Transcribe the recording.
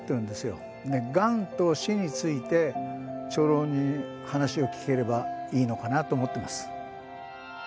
がんと死について長老に話を聞ければいいのかなと思ってます。